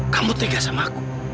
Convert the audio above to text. kamu tega sama aku